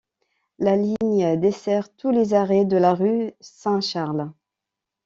La ligne dessert tous les arrêts de la rue Saint-Charles.